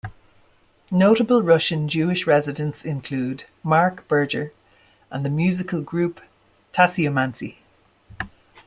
Notable Russian Jewish residents include Mark Berger and the musical group Tasseomancy.